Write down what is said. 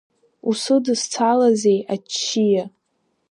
Усыдызцалазеи, аччиа?!